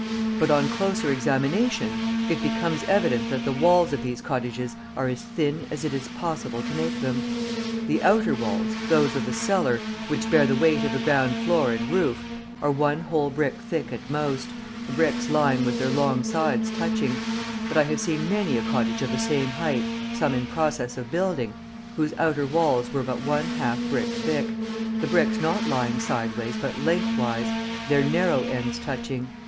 But on closer examination, it becomes evident that the walls of these cottages are as thin as it is possible to make them. The outer walls, those of the cellar, which bear the weight of the ground floor and roof, are one whole brick thick at most, the bricks lying with their long sides touching; but I have seen many a cottage of the same height, some in process of building, whose outer walls were but one half brick thick, the bricks lying not sidewise but lengthwise, their narrow ends touching.